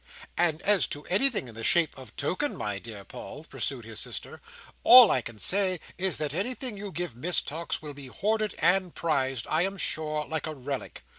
"And as to anything in the shape of a token, my dear Paul," pursued his sister, "all I can say is that anything you give Miss Tox will be hoarded and prized, I am sure, like a relic.